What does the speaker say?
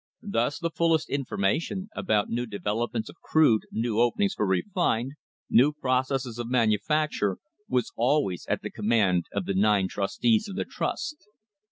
Thus the fullest information about new developments of crude, new openings for refined, new processes of manufacture, was always at the command of the nine trustees of the trust.